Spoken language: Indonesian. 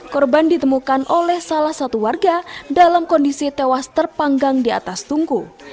korban ditemukan oleh salah satu warga dalam kondisi tewas terpanggang di atas tungku